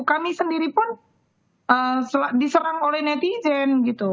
kami sendiri pun diserang oleh netizen gitu